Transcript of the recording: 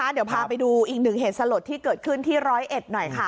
เดี๋ยวพาไปดูอีกหนึ่งเหตุสลดที่เกิดขึ้นที่ร้อยเอ็ดหน่อยค่ะ